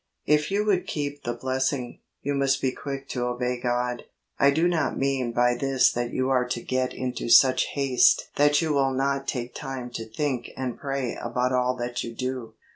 If you would keep the blessing, you must be quick to obey God. I do not mean by this that you are to get into such haste that you will not take time to think and pray about all that you do.